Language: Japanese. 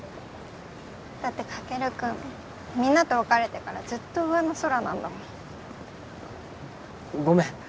だってカケル君みんなと別れてからずっと上の空なんだもんごめん